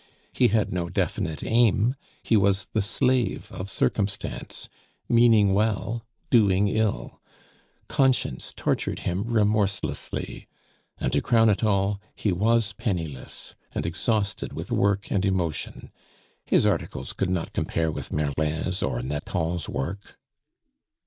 He had no definite aim; he was the slave of circumstance meaning well, doing ill. Conscience tortured him remorselessly. And to crown it all, he was penniless and exhausted with work and emotion. His articles could not compare with Merlin's or Nathan's work.